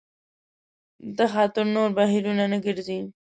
دې خاطر نور بهیرونه نه ګرځي.